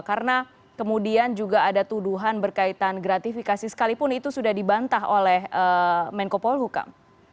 karena kemudian juga ada tuduhan berkaitan gratifikasi sekalipun itu sudah dibantah oleh menko paul hukam